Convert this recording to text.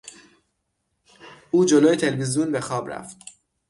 او جلو تلویزیون به خواب رفت.